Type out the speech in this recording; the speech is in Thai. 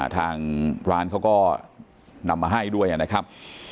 ทางร้านเขาก็นำมาให้ด้วยนะครับ